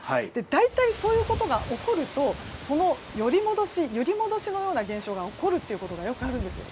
大体そういうことが起きるとその寄り戻しのような現象が起こることがよくあるんです。